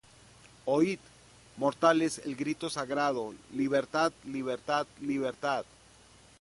Oid, mortales el grito sagrado libertad, libertad, libertad